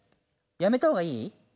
やめたほうがいい？